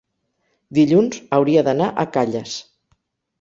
Dilluns hauria d'anar a Calles.